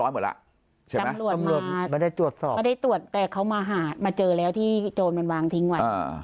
ไม่ได้ตรวจแต่เขามาเจอแล้วที่โจรมันวางทิ้งไว้